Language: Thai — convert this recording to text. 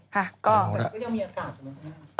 ค่ะก็ยังมีอากาศ